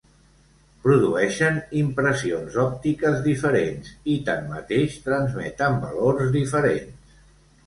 Produeixen impressions òptiques diferents i tanmateix, transmeten valors diferents.